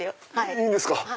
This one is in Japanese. いいんですか！